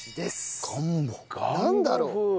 なんだろう？